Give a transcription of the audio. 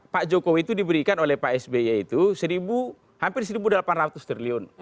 pak jokowi itu diberikan oleh pak sby itu hampir rp satu delapan ratus triliun